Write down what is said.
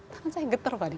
tangan saya getar sekali